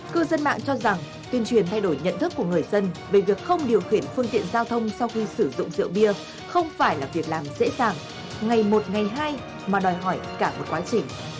cư dân mạng cho rằng tuyên truyền thay đổi nhận thức của người dân về việc không điều khiển phương tiện giao thông sau khi sử dụng rượu bia không phải là việc làm dễ dàng ngày một ngày hai mà đòi hỏi cả một quá trình